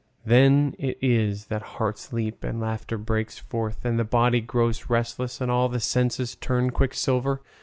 Then it is that hearts leap and laughter breaks forth, and the body grows restless and all the senses turn quicksilver.